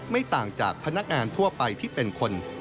ไม่ต่างจากพนักงานทั่วไปที่เป็นคน